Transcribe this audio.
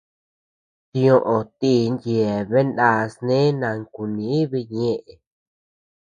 Tioʼö tin yeabean naa snee nankuníbii ñëʼe.